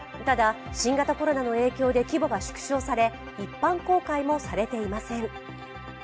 ただ、新型コロナの影響で規模が縮小され、一般公開もされていません。